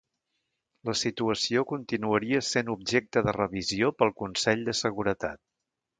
La situació continuaria sent objecte de revisió pel Consell de Seguretat.